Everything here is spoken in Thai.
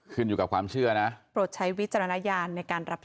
ขึ้นอยู่กับความเชื่อนะโปรดใช้วิจารณญาณในการรับชม